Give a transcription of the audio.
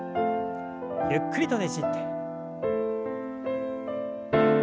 ゆっくりとねじって。